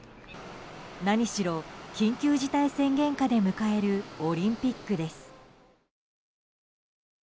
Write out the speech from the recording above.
何しろ、緊急事態宣言下で迎えるオリンピックです。